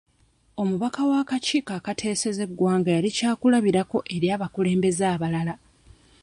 Omubaka wa akakiiko akateeseza eggwanga yali kya kulabirako eri abakulembeze abalala.